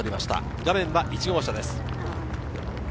画面は１号車です。